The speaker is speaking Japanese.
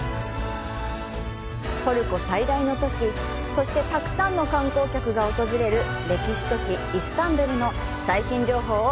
トルコ最大の都市、そして、たくさんの観光客が訪れる歴史都市イスタンブルの最新情報を